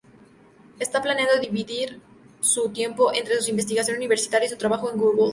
Está planeando dividir "su tiempo entre su investigación universitaria y su trabajo en Google".